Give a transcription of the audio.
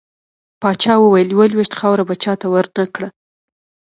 پاچا وويل: يوه لوېشت خاوړه به چاته ورنه کړه .